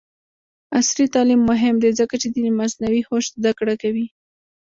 عصري تعلیم مهم دی ځکه چې د مصنوعي هوش زدکړه کوي.